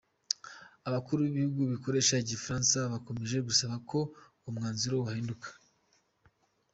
Abakuru b’ibihugu bikoresha igifaransa bakomeje gusaba ko uwo mwanzuro wahinduka.